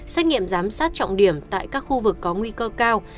xét nghiệm giám sát trọng điểm tại các khu vực có nguy cơ cao